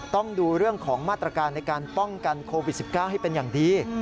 ต้องดูเรื่องของมาตรการในการป้องกันโควิด๑๙ให้เป็นอย่างดี